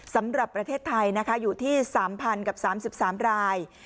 สำหรับประเทศไทยนะคะอยู่ที่๓๐๐กับ๓๓ราย